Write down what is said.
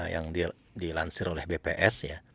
yang dilansir oleh bps